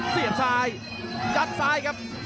เสียบซ้ายยัดซ้ายครับ